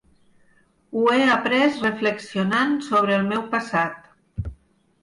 Ho he après reflexionant sobre el meu passat.